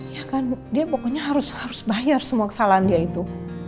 ya kan dia pokoknya harus bayar semua kesalahan dia itu